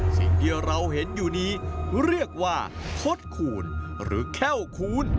สิ่งที่เราเห็นอยู่นี้เรียกว่าคดคูณหรือแค่วคูณ